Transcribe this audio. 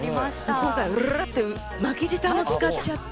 今回ウルルルッて巻き舌も使っちゃって。